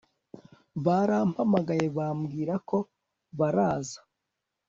barampamagaye bambwira ko baraza